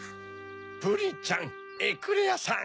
プリンちゃんエクレアさん！